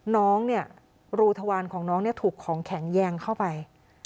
น้องเนี่ยรูทวารของน้องเนี่ยถูกของแข็งแยงเข้าไป